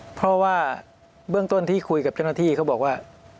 เพราะว่าเบื้องต้นที่คุยกับเจ้าหน้าที่เขาบอกว่า